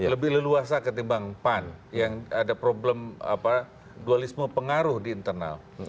lebih leluasa ketimbang pan yang ada problem dualisme pengaruh di internal